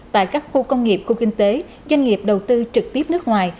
tại các khu công nghiệp khu kinh tế doanh nghiệp đầu tư trực tiếp nước ngoài